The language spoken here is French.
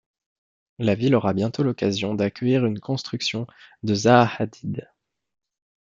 La ville aura bientôt l'occasion d'accueillir une construction de Zaha Hadid.